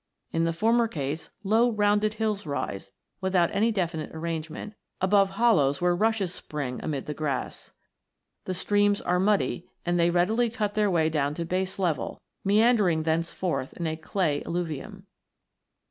In the former case, low rounded hills rise, without any definite arrangement, above hollows where rushes spring amid the grass. The streams are muddy, and they readily cut their way down to base level, meandering thenceforward in a clay alluvium.